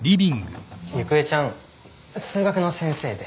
ゆくえちゃん数学の先生で。